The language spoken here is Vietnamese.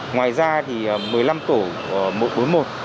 ngoài ra thì một mươi năm tổ mỗi bốn một